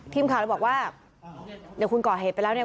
ทีมข่าวเลยบอกว่าเนี่ยคุณก่อเหตุไปแล้วเนี่ย